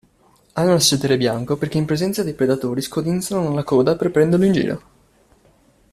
Hanno il sedere bianco perché in presenza dei predatori scodinzolano la coda per prenderlo in giro.